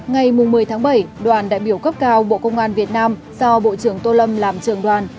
ngày một mươi tháng bảy đoàn đại biểu cấp cao bộ công an việt nam do bộ trưởng tô lâm làm trường đoàn